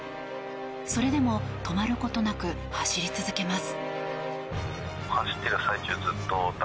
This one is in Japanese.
それでも止まることなく走り続けます。